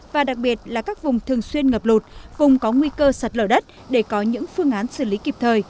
và đặc biệt là các vùng thường xuyên ngập lụt vùng có nguy cơ sạt lở đất để có những phương án xử lý kịp thời